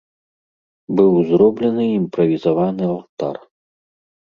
Быў зроблены імправізаваны алтар.